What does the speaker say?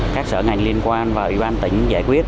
các sở ngành liên quan và ủy ban tỉnh giải quyết